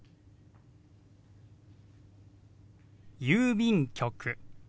「郵便局」。